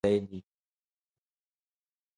Hii ni kazi ya mdudu mbaya zaidi